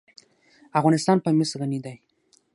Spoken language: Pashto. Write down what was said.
افغانستان په مس غني دی.